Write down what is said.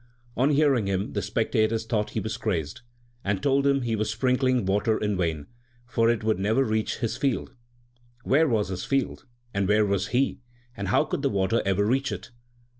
On hearing this, the spectators i thought he was crazed, and told him he was sprink ; ling water in vain, for it would never reach his field. Where was his field and where was he, and how could the water ever reach it